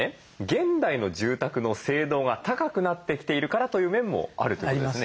現代の住宅の性能が高くなってきているからという面もあるということですね。